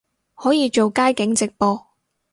可以做街景直播